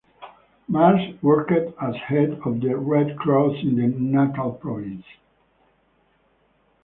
Mars worked as head of the Red Cross in the Natal Province.